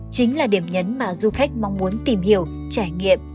chính là điểm nhấn mà du khách mong muốn tìm hiểu trải nghiệm